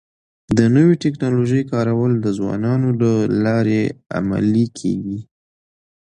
د نوي ټکنالوژۍ کارول د ځوانانو له لارې عملي کيږي.